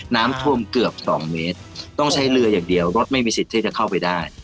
น้ำท่วมเกือบสองเมตรต้องใช้เรืออย่างเดียวรถไม่มีสิทธิ์ที่จะเข้าไปได้